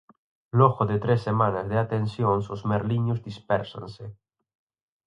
Logo de tres semanas de atencións os merliños dispérsanse.